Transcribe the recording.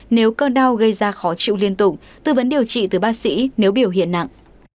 nếu cơn đau gây ra khó chịu liên tục tư vấn điều trị từ bác sĩ nếu biểu hiện nặng